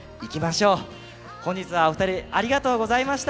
本日はお二人ありがとうございました！